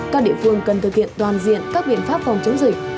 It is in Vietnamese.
các địa phương cần thực hiện toàn diện các biện pháp phòng chống dịch